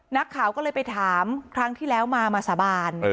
นักข่าวก็เลยไปถามครั้งที่แล้วมามาสาบาน